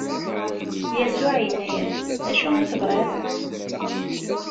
Yasuɛ inna-as: D acu i tebɣiḍ?